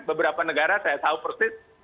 beberapa negara saya tahu persis